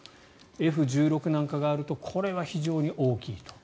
Ｆ１６なんかがあるとこれは非常に大きいと。